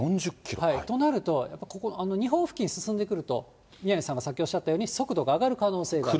となると、ここ、日本付近進んでくると、宮根さんがさっきおっしゃったように、速度が上がる可能性がある。